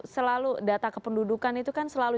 selalu data kependudukan itu kan selalu